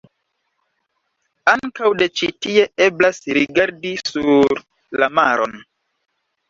Ankaŭ de ĉi-tie eblas rigardi sur la maron.